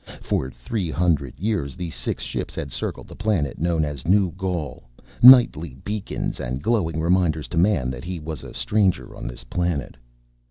For three hundred years the six ships had circled the planet known as New Gaul, nightly beacons and glowing reminders to Man that he was a stranger on this planet.